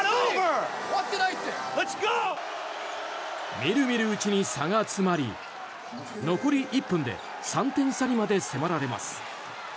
みるみるうちに差が詰まり残り１分で３点差にまで迫られます。